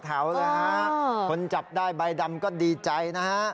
ความจับได้ใบดำก็มีใจนะฮะ